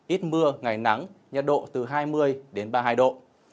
ít mưa ngày nắng nhiệt độ từ hai mươi đến ba mươi hai độ